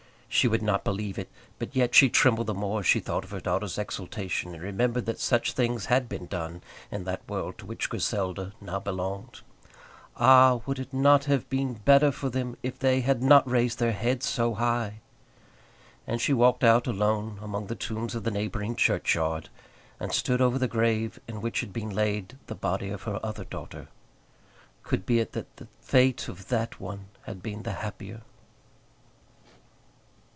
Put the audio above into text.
She would not believe it; but yet she trembled the more as she thought of her daughter's exaltation, and remembered that such things had been done in that world to which Griselda now belonged. Ah! would it not have been better for them if they had not raised their heads so high! And she walked out alone among the tombs of the neighbouring churchyard, and stood over the grave in which had been laid the body of her other daughter. Could be it that the fate of that one had been the happier.